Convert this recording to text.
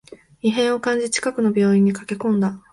異変を感じ、近くの病院に駆けこんだ